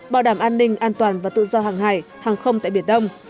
bảo đảm an ninh an toàn và tự do hàng hải hàng không tại biển đông